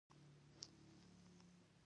دغه اقدام د اغېزه کړې ده.